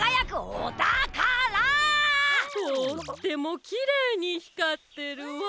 とってもきれいにひかってるわ。